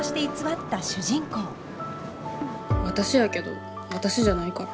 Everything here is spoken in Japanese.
私やけど私じゃないから。